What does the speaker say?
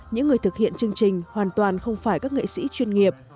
những người thực hiện chương trình hoàn toàn không phải các nghệ sĩ chuyên nghiệp